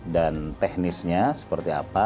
dan teknisnya seperti apa